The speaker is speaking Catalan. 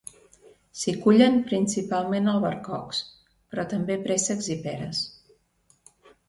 S'hi cullen principalment albercocs, però també préssecs i peres.